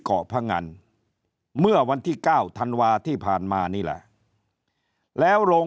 เกาะพงันเมื่อวันที่๙ธันวาที่ผ่านมานี่แหละแล้วโรง